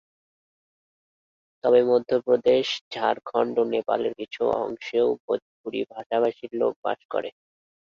তবে মধ্য প্রদেশ, ঝাড়খণ্ড ও নেপালের কিছু অংশেও ভোজপুরি ভাষাভাষীর লোক বাস করে।